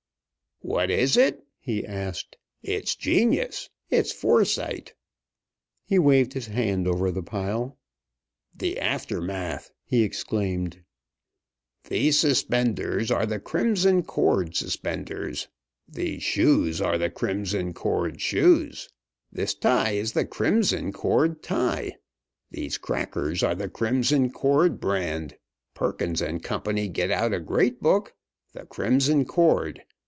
"What is it?" he asked. "It's genius! It's foresight!" He waved his hand over the pile. "The Aftermath!" he exclaimed. "These suspenders are the Crimson Cord suspenders. These shoes are the Crimson Cord shoes. This tie is the Crimson Cord tie. These crackers are the Crimson Cord brand. Perkins & Co. get out a great book, 'The Crimson Cord'!